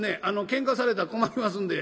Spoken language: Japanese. けんかされたら困りますんで」。